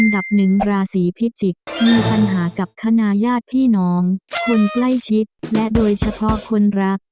ดับหนึ่งราศีพิจิกษ์มีปัญหากับคณะญาติพี่น้องคนใกล้ชิดและโดยเฉพาะคนรัก